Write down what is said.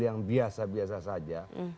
yang biasa biasa saja